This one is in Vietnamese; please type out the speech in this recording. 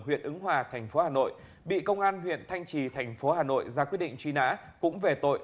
huyện ứng hòa tp hà nội bị công an huyện thanh trì tp hà nội ra quyết định truy nã cũng về tội